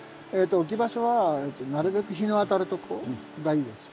置き場所はなるべく日の当たるとこがいいです。